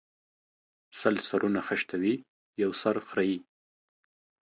سل سرونه خشتوي ، يو سر خريي